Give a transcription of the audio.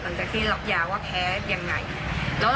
หลังจากที่ล็อกยาว่าแพ้ยังไง